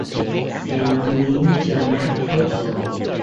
xe nó nghiếm cho nát hết rồi